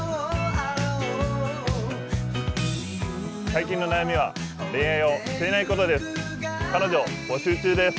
最近の悩みは恋愛をしていないことです。